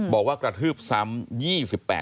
บอกว่ากระทืบซ้ำ